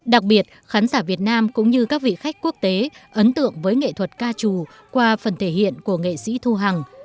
đặc biệt khán giả việt nam cũng như các vị khách quốc tế ấn tượng với nghệ thuật ca trù qua phần thể hiện của nghệ sĩ thu hằng